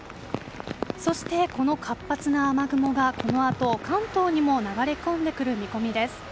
そして、この活発な雨雲がこのあと、関東にも流れ込んでくる見込みです。